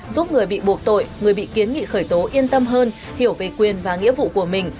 giúp người bị buộc tội người bị kiến nghị khởi tố yên tâm hơn hiểu về quyền và nghĩa vụ của mình